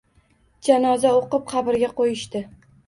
Janoza o‘qib, qabrga qo‘yishdi...